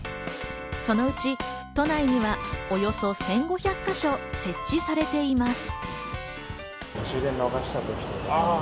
そのうち都内にはおよそ１５００か所設置されています。